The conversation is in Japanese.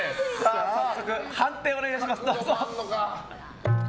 判定をお願いします！